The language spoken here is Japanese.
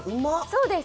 そうです